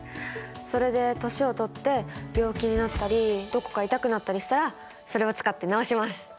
それで年を取って病気になったりどこか痛くなったりしたらそれを使って治します！